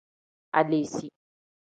Aleesi.